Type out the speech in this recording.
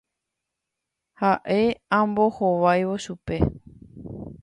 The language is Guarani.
Ha'e ambohováivo chupe.